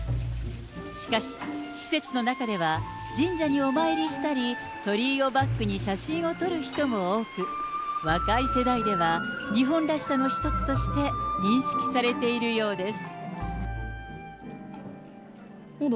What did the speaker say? しかし、施設の中では、神社にお参りしたり、鳥居をバックに写真を撮る人も多く、若い世代では日本らしさの一つとして認識されているようです。